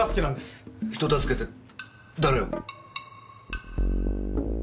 人助けって誰を？